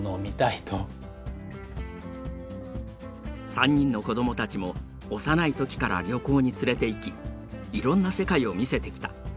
３人の子どもたちも幼い時から旅行に連れていきいろんな世界を見せてきた。